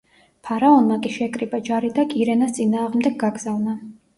ფარაონმა კი შეკრიბა ჯარი და კირენას წინააღმდეგ გაგზავნა.